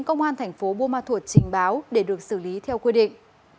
công an tp bua ma thuột trình báo để được xử lý theo quy định